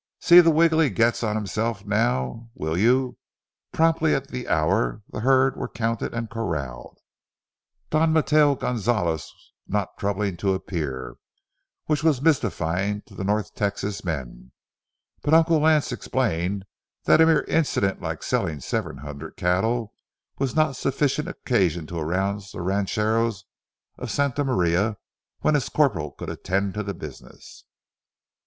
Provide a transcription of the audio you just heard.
See the wiggle he gets on himself now, will you?" Promptly at the hour, the herd were counted and corralled, Don Mateo Gonzales not troubling to appear, which was mystifying to the North Texas men, but Uncle Lance explained that a mere incident like selling seven hundred cattle was not sufficient occasion to arouse the ranchero of Santa Maria when his corporal could attend to the business.